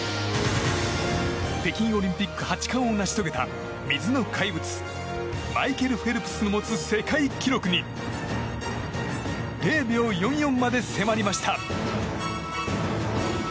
北京オリンピック８冠を成し遂げた水の怪物マイケル・フェルプスの持つ世界記録に０秒４４まで迫りました。